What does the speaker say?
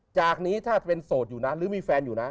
จากนี้ถ้าเป็นโสดอยู่นะหรือมีแฟนอยู่นะ